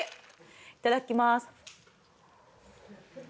いただきます。